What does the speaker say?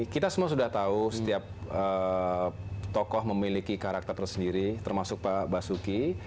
kita semua sudah tahu setiap tokoh memiliki karakter tersendiri termasuk pak basuki